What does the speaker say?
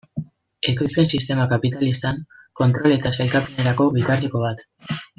Ekoizpen sistema kapitalistan, kontrol eta sailkapenerako bitarteko bat.